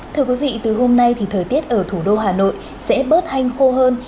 thưa quý vị từ hôm nay thì thời tiết ở thủ đô hà nội sẽ bớt hanh khô hơn